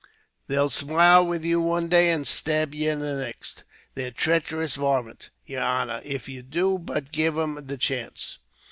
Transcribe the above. They'll smile with you one day, and stab ye the next. They're treacherous varmint, yer honor, if you do but give 'em the chance."